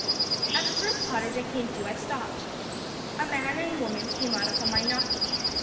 "At the first cottage I came to, I stopped. A man and woman came out on my knocking.